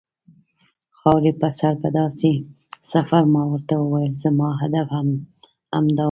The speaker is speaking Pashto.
خاورې په سر پر داسې سفر، ما ورته وویل: زما هدف هم همدا و.